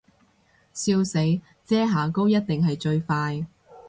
笑死，遮瑕膏一定係最快